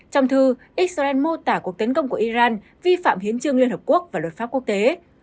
trong thư israel mô tả cuộc tấn công của iran vi phạm hiến trương liên hợp quốc và luật pháp quốc tế